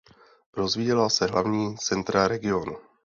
Rozvíjela se hlavní centra regionu.